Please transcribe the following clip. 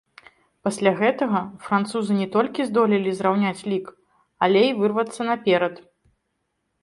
Пасля гэтага французы не толькі здолелі зраўняць лік, але і вырвацца наперад.